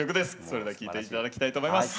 それでは聴いて頂きたいと思います。